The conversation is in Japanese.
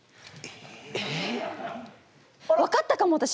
分かったかも私。